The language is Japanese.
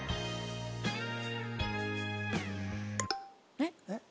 えっ？